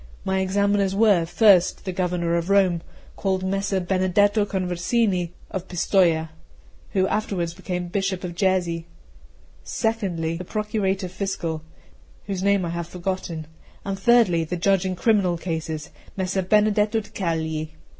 My examiners were, first, the Governor of Rome, called Messer Benedetto Conversini of Pistoja, who afterwards became Bishop of Jesi; secondly, the Procurator Fiscal, whose name I have forgotten; and, thirdly, the judge in criminal cases, Messer Benedetto da Cagli.